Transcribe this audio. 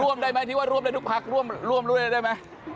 ร่วมได้ไหมที่ว่าร่วมในทุกพักร่วมได้ไหม